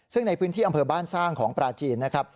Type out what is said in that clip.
ซึ่งในพื้นที่อำเภอบ้านสร้างของปลาจีนนะครับ